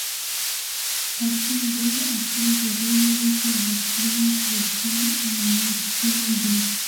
اتوم درې اصلي ذرې لري چې الکترون پروټون او نیوټرون دي